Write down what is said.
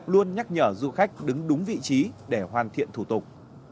luôn nhắc nhở du khách đứng đúng vị trí để hoàn thiện thủ tục